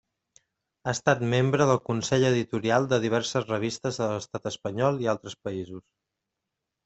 Ha estat membre del consell editorial de diverses revistes a l'Estat espanyol i altres països.